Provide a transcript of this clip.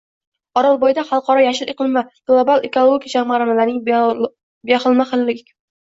Orolbo‘yida xalqaro “Yashil iqlim” va “Global ekologik jamg‘arma”larining bioxilma-xillik